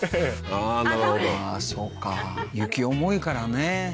ああーなるほどそうか雪重いからね